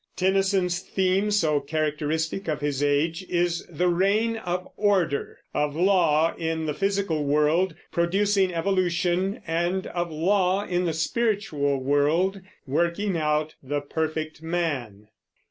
Tennyson's theme, so characteristic of his age, is the reign of order, of law in the physical world, producing evolution, and of law in the spiritual world, working out the perfect man.